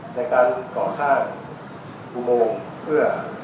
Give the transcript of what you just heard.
ในการก่อสร้างอุโมงเพื่อ